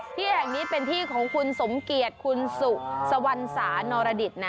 ที่แห่งนี้เป็นที่ของคุณสมเกียจคุณสุสวรรสานรดิตนะ